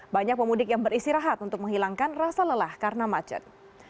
banyak pemudik yang beristirahat untuk menghilangkan rasa lelah karena macet